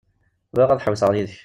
Bɣiɣ ad ḥewwseɣ yid-k.